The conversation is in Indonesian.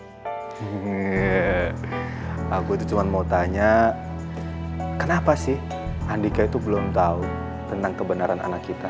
hmm aku itu cuma mau tanya kenapa sih andika itu belum tahu tentang kebenaran anak kita